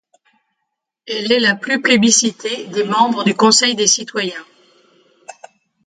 Elle est la plus plébiscitée des membres du Conseil des citoyens.